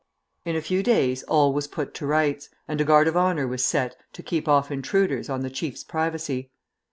In a few days all was put to rights, and a guard of honor was set to keep off intruders on the chief's privacy.